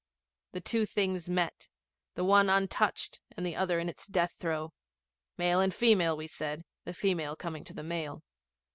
The two Things met the one untouched and the other in its death throe male and female, we said, the female coming to the male.